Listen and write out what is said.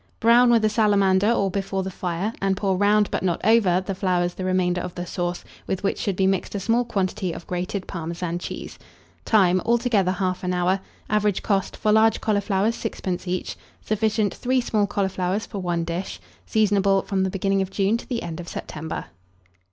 Brown with a salamander, or before the fire, and pour round, but not over, the flowers the remainder of the sauce, with which should be mixed a small quantity of grated Parmesan cheese. Time. Altogether, 1/2 hour. Average cost, for large cauliflowers, 6d. each. Sufficient, 3 small cauliflowers for 1 dish. Seasonable from the beginning of June to the end of September.